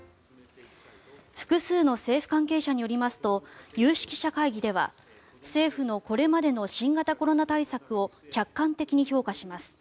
複数の政府関係者によりますと有識者会議では政府のこれまでの新型コロナ対策を客観的に評価します。